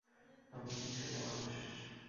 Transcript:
আমি কি ছেলেমানুষ।